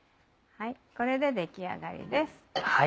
これで出来上がりです。